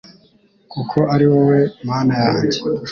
kuko ari wowe Mana yanjye